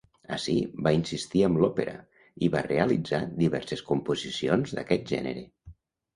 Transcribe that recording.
Ací va insistir amb l'òpera, i va realitzar diverses composicions d'aquest gènere.